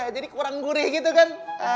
jadi kurang gurih gitu kan